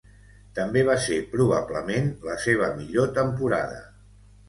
També va ser, probablement, la seva millor temporada.